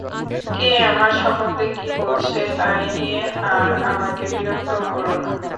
কে আমার সম্বন্ধে কি বলছে, তাই নিয়ে আর আমাকে বিরক্ত করো না।